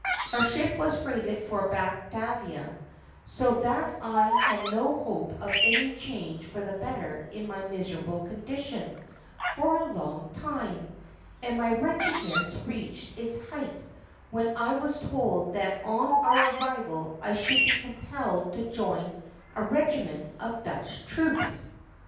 "Our ship was freighted for Batavia, so that I had no hope of any change for the better in my miserable condition for a long time, and my wretchedness reached its height when I was told that on our arrival I should be compelled to join a regiment of Dutch troops.